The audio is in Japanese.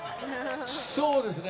そうですね。